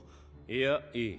いやいい。